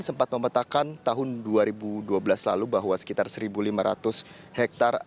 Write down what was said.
sempat memetakan tahun dua ribu dua belas lalu bahwa sekitar satu lima ratus hektare